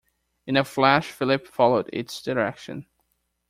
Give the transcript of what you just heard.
In a flash Philip followed its direction.